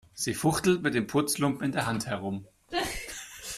Sie fuchtelt mit dem Putzlumpen in der Hand herum.